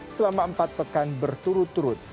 selama empat pekan berturut turut